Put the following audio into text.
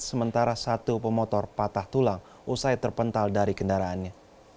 sementara satu pemotor patah tulang usai terpental dari kendaraannya